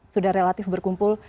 sudah relatif berkumpul